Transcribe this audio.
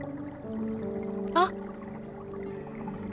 あっ！